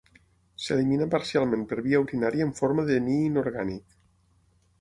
S'elimina parcialment per via urinària en forma de Ni inorgànic.